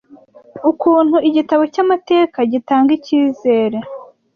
Ukuntu igitabo cyamateka gitanga ikizere,